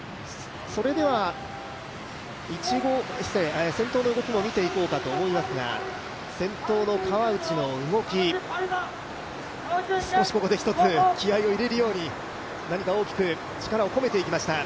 それでは、先頭の動きも見ていこうかと思いますが、先頭の川内の動き、少しここで気合いを入れるように何か大きく力を込めていきました。